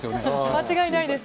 間違いないです。